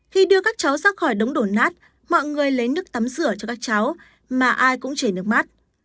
khi đưa các cháu ra khỏi đống đổ nát mọi người lấy nước tắm rửa cho các cháu mà ai cũng chảy nước mắt